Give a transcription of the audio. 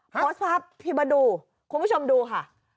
โพสต์ภาพพี่มาดูคุณผู้ชมดูค่ะ